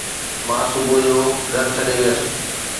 مان صبح جو گهر ڇڏي ويس